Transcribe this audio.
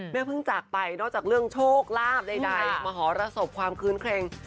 เพิ่งจากไปนอกจากเรื่องโชคลาภใดมหรสบความคื้นเครง